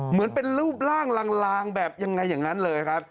เหมือนเป็นรูปร่างลางแบบยังไงอย่างนั้นเลยครับ